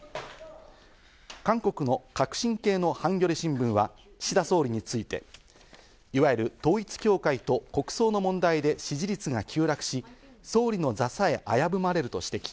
韓国の革新系のハンギョレ新聞は岸田総理について、いわゆる統一教会と国葬の問題で支持率が急落し、総理の座さえ危ぶまれると指摘。